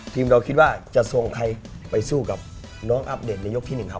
ทีมเราคิดว่าจะส่งใครไปสู้กับน้องอัปเดตในยกที่๑ครับ